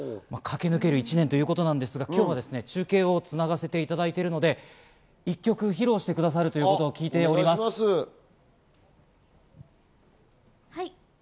駆け抜ける１年ということなんですが、今日は中継をつながせていただいているので１曲披露してくださるということを聞いておりまはい。